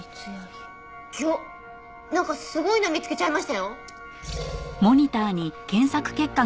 ぎょなんかすごいの見つけちゃいましたよ。